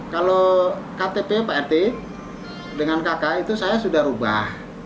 kalau ktp pak rt dengan kk itu saya sudah rubah